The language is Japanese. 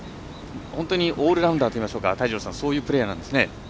本当にオールラウンダーというかそういう選手なんですね。